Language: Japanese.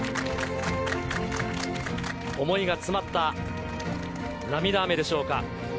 想いが詰まった涙雨でしょうか。